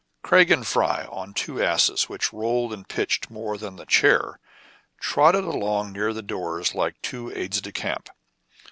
Craig and Fry, on two asses, which rolled and pitched more than the chair, trotted along near the doors like two aides de camp.